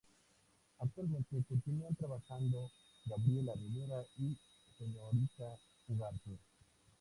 Actualmente, continúan trabajando Gabriela Rivera y Señorita Ugarte.